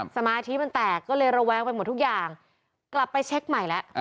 สมาธิมันแตกก็เลยระแวงไปหมดทุกอย่างกลับไปเช็คใหม่แล้ว